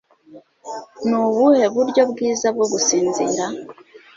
Ni ubuhe buryo bwiza bwo gusinzira?